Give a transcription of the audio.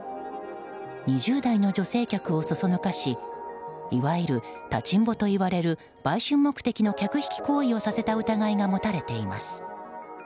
２０代の女性客をそそのかしいわゆる立ちんぼといわれる売春目的の客引き行為をさせた疑いが持たれています。